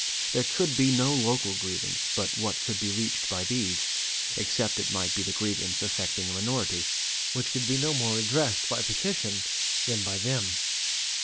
There could be no local grievance but what could be reached by these, except it might be the grievance affecting a minority, which could be no more redressed by petition than by them.